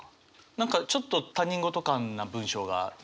何かちょっと他人事感な文章がいいですよね。